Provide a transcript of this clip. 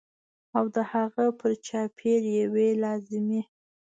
او د هغه پر چاپېر یوې لازمي